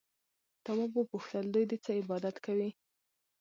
تواب وپوښتل دوی د څه عبادت کوي؟